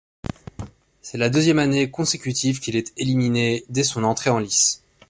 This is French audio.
C'est la deuxième année consécutive qu'il est éliminé dès son entrée en lice.